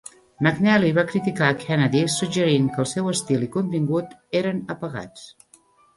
McNally va criticar a Kennedy, suggerint que el seu estil i contingut eren apagats.